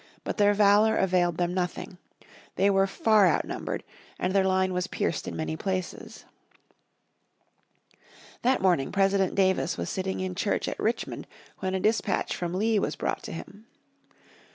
But their valour availed them nothing. They were far outnumbered, and their line was pierced in many places. That morning President Davis was sitting in church at Richmond when a dispatch from Lee was brought to him.